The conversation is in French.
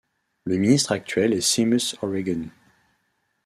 Le ministre actuel est Seamus O'Regan.